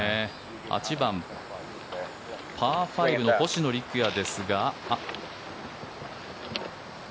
８番、パー５の星野陸也ですが。